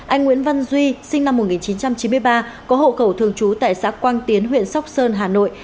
anh nguyễn văn duy sinh năm một nghìn chín trăm chín mươi ba có hộ khẩu thường trú tại xã quang tiến huyện sóc sơn hà nội